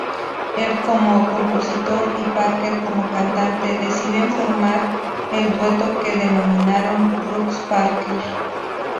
Él como compositor y Parker como cantante deciden formar el dueto que denominaron "Rucks-Parker".